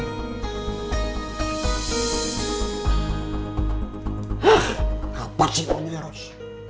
hah apa sih ini eros